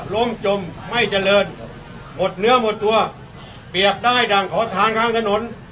ล้มจมไม่เจริญหมดเนื้อหมดตัวเปรียบได้ดั่งขอทานข้างถนน